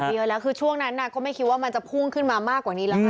เยอะแล้วคือช่วงนั้นก็ไม่คิดว่ามันจะพุ่งขึ้นมามากกว่านี้แล้วค่ะ